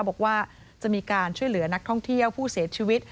บอกว่าจะมีการช่วยเหลือนักท่องเที่ยวผู้เสียชีวิต